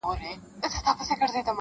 کوم انسان چي بل انسان په کاڼو ولي,